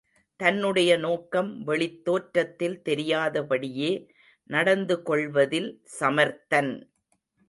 தன்னுடைய நோக்கம் வெளித் தோற்றத்தில் தெரியாதபடியே நடந்து கொள்வதில் சமர்த்தன்.